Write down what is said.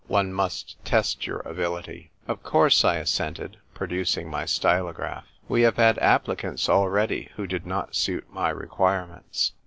One must test your ability." " Of course," I assented, producing my stylograph. " We have had applicants already who did not suit my requirements.